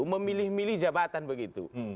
memilih milih jabatan begitu